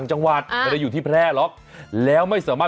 รอให้ตายก็กว่า